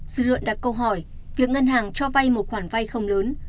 dư luận đặt câu hỏi việc ngân hàng cho vay một khoản vay không lớn